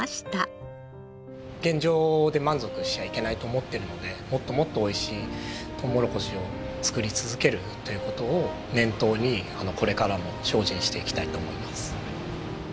現状で満足しちゃいけないと思ってるのでもっともっとおいしいとうもろこしを作り続けるという事を念頭にこれからも精進していきたいと思います。